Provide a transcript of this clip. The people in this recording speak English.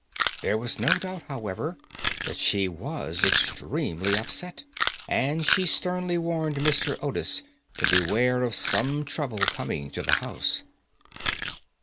There was no doubt, however, that she was extremely upset, and she sternly warned Mr. Otis to beware of some trouble coming to the house.